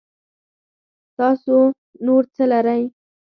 تاسو نور څه لرئ